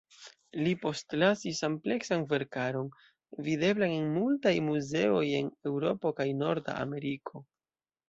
Li postlasis ampleksan verkaron, videblan en multaj muzeoj en Eŭropo kaj Norda Ameriko.